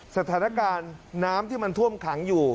สถานการณ์น้ำที่มันท่วมขังอยู่